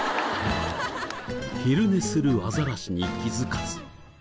昼寝するアザラシに気づかず。